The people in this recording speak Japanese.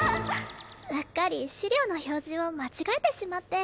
うっかり資料の表示を間違えてしまって。